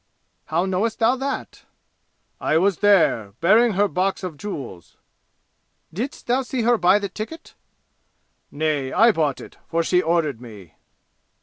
"How knowest thou that?" "I was there, bearing her box of jewels." "Didst thou see her buy the tikkut?" "Nay, I bought it, for she ordered me."